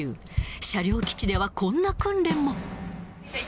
車両基地ではこんな訓練も。